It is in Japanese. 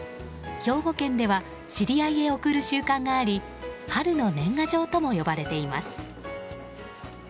兵庫県では知り合いへ送る習慣があり春の年賀状とも呼ばれています。